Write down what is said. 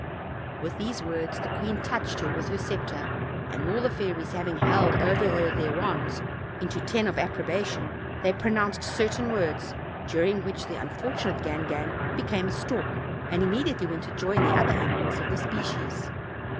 With these words the queen touched her with her scepter, and all the fairies, having held over her their wands in to ten OLD, OLD FAIR7 TALES. 271 of approbation, they pronounced certain words, during which the unfortunate Gangan became a stork, and im mediately went to join the other animals of the species.